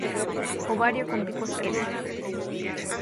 Ovario con pico estrecho.